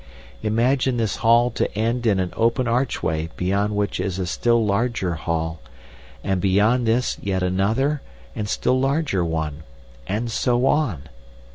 Imagine this hall to end in an open archway beyond which is a still larger hall, and beyond this yet another and still larger one, and so on.